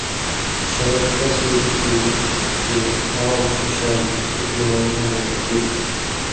شاید ݜس وجہۡ تھی چے عوام ݜُوشان ایک نمائندہ مُوٹُھو کیریۡ تھی